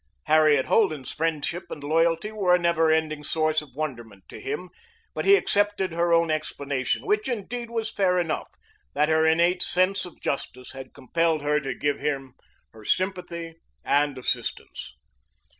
Harriet Holden's friendship and loyalty were a never ending source of wonderment to him, but he accepted her own explanation, which, indeed, was fair enough, that her innate sense of justice had compelled her to give him her sympathy and assistance.